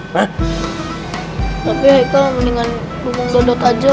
hai tapi aikal mendingan ngomong dodot aja